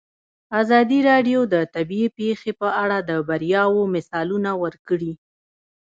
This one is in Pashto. ازادي راډیو د طبیعي پېښې په اړه د بریاوو مثالونه ورکړي.